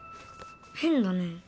変だね。